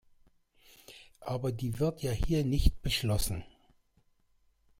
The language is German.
Aber die wird ja hier nicht beschlossen.